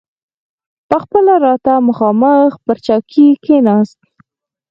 پخپله راته مخامخ پر چوکۍ کښېناست.